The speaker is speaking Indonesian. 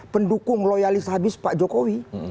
pendukung loyalis habis pak jokowi